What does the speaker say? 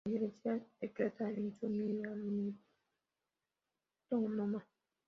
La Iglesia de Creta es semiautónoma.